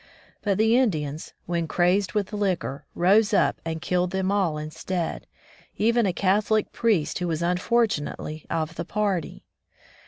But the Indians, when crazed with liquor, rose up and killed them all instead, even a Catholic priest who was unfortunately of the party.